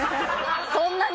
そんなに？